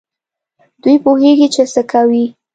دوی پوهېږي چي څه کوي.